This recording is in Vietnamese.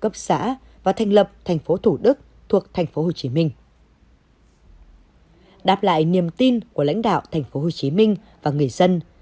cấp xã và thành lập tp thủ đức thuộc tp hcm đáp lại niềm tin của lãnh đạo tp hcm và người dân